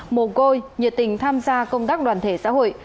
mồ côi nhiệt tình tham gia công tác đoàn thể xã hội